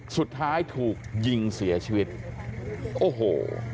สุดท้ายถูกยิงเสียชีวิตโอ้โห